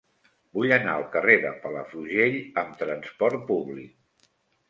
Vull anar al carrer de Palafrugell amb trasport públic.